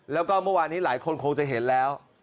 แล้วก็เมื่อวานนี้หลายคนคงจะเห็นแล้ว